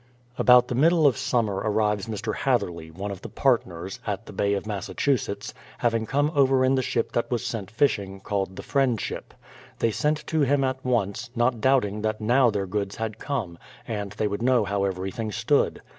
About the middle of summer arrives IMr. Hatherley, one of the partners, at the Bay of Massachusetts, having come over in the ship that was sent fishing, called the Friend ship. They sent to him at once, not doubting that now their goods had come, and they would know how every thing stood.